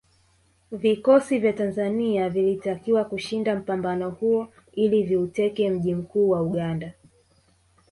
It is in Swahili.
Vikosi vya Tanzania vilitakiwa kushinda mpambano huo ili viuteke mji mkuu wa Uganda